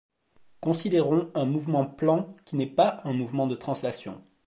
Considérons un mouvement plan qui n'est pas un mouvement de translation.